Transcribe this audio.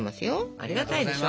ありがたいでしょ？